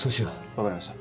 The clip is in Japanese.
分かりました。